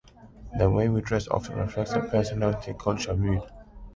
The way we dress often reflects our personality, culture, and mood.